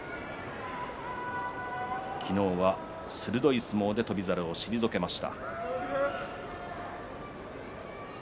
昨日は鋭い相撲で翔猿を退けました。